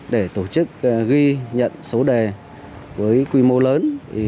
để tổ chức ghi nhận số đề với quy mô lớn